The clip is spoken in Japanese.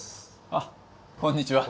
あっこんにちは。